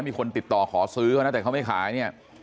มีคนติดต่อขอซื้อเขานะแต่เขาไม่ขายเนี่ย